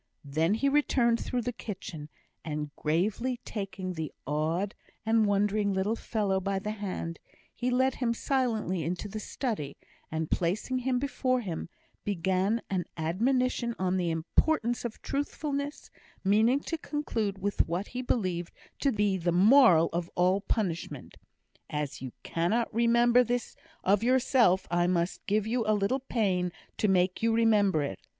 Then he returned through the kitchen, and gravely taking the awed and wondering little fellow by the hand, he led him silently into the study, and placing him before him, began an admonition on the importance of truthfulness, meaning to conclude with what he believed to be the moral of all punishment: "As you cannot remember this of yourself, I must give you a little pain to make you remember it.